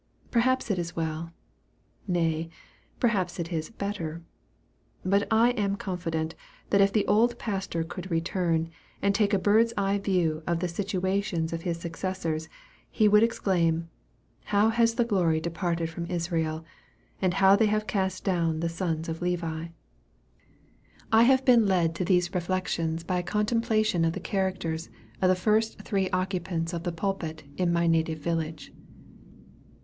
Perhaps it is well nay, perhaps it is better; but I am confident that if the old pastor could return, and take a bird's eye view of the situations of his successors, he would exclaim, "How has the glory departed from Israel, and how have they cast down the sons of Levi!" I have been led to these reflections by a contemplation of the characters of the first three occupants of the pulpit in my native village.